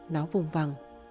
nó vùng vằng